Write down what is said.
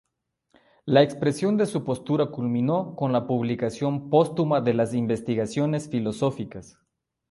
La expresión de su postura culminó con la publicación póstuma de las "Investigaciones filosóficas".